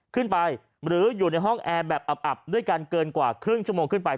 ขึ้นไปหรืออยู่ในห้องแอร์แบบอับด้วยกันเกินกว่าครึ่งชั่วโมงขึ้นไป